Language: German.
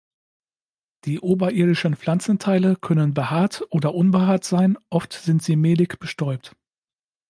Die oberirdischen Pflanzenteile können behaart oder unbehaart sein, oft sind sie mehlig bestäubt.